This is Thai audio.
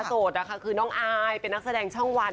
โสดนะคะคือน้องอายเป็นนักแสดงช่องวัน